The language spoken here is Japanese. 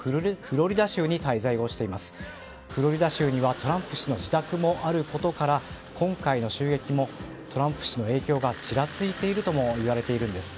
フロリダ州にはトランプ氏の自宅もあることから今回の襲撃もトランプ氏の影響がちらついているともいわれているんです。